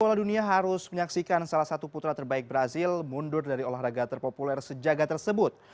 piala dunia harus menyaksikan salah satu putra terbaik brazil mundur dari olahraga terpopuler sejaga tersebut